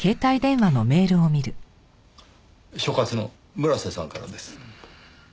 所轄の村瀬さんからです。